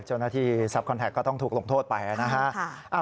เจ้าหน้าที่ซับคอนแท็กก็ต้องถูกลงโทษไปนะครับ